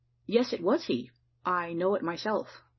"Yes; it was he I know it myself."